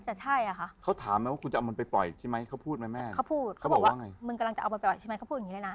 มึงกำลังจะเอามันไปปล่อยใช่ไหมเขาพูดอย่างนี้เลยนะ